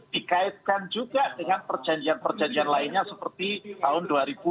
dikaitkan juga dengan perjanjian perjanjian lainnya seperti tahun dua ribu dua puluh